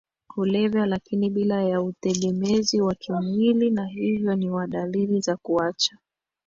kulevya lakini bila ya utegemezi wa kimwili na hivyo ni wa dalili za kuacha